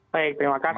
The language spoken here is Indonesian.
baik terima kasih